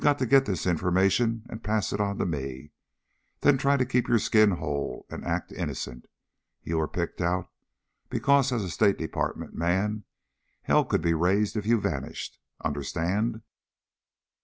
You're to get this formation and pass it on to me, then try to keep your skin whole and act innocent. You were picked out because, as a State Department man, hell could be raised if you vanished. Understand?"